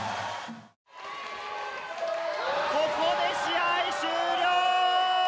ここで試合終了！